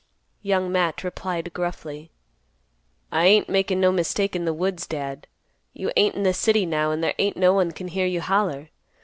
Young Matt replied gruffly, "I ain't makin' no mistake in the woods, Dad. You ain't in the city now, and there ain't no one can hear you holler.